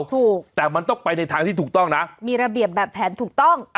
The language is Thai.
ถูกแต่มันต้องไปในทางที่ถูกต้องนะมีระเบียบแบบแผนถูกต้อง